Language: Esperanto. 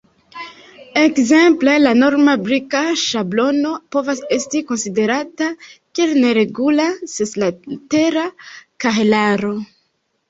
Ekzemple, la norma brika ŝablono povas esti konsiderata kiel neregula seslatera kahelaro.